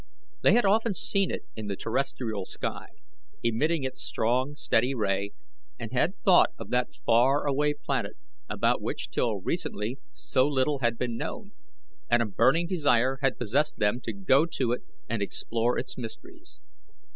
They had often seen it in the terrestrial sky, emitting its strong, steady ray, and had thought of that far away planet, about which till recently so little had been known, and a burning desire had possessed them to go to it and explore its mysteries.